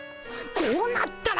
こうなったら。